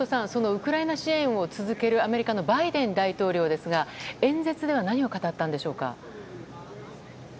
ウクライナ支援を続けるアメリカのバイデン大統領ですが演説では何を語ったんでしょうか。